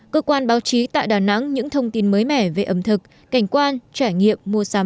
cơ quan báo chí tại đà nẵng những thông tin mới mẻ về ẩm thực cảnh quan trải nghiệm mua sắm